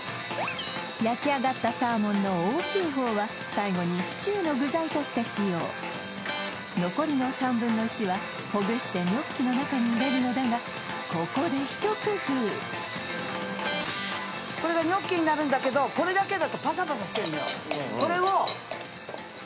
焼き上がったサーモンの大きい方は最後にシチューの具材として使用残りの３分の１はほぐしてニョッキの中に入れるのだがここで一工夫これがニョッキになるんだけどこれを・何だ？